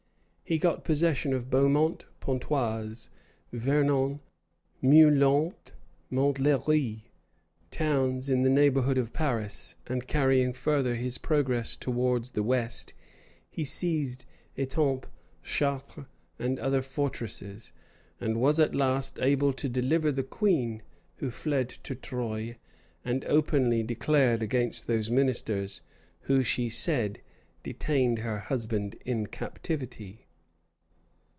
[] He got possession of Beaumont, Pontoise, Vernon, Meulant, Montlheri, towns in the neighborhood of Paris; and carrying further his progress towards the west, he seized Etampes, Chartres, and other fortresses; and was at last able to deliver the queen, who fled to Troye, and openly declared against those ministers who, she said, detained her husband in captivity.